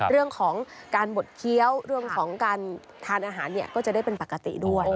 เรื่องของการบดเคี้ยวเรื่องของการทานอาหารเนี่ยก็จะได้เป็นปกติด้วย